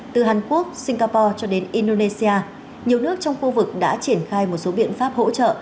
từ hàn quốc singapore cho đến indonesia nhiều nước trong khu vực đã triển khai một số biện pháp hỗ trợ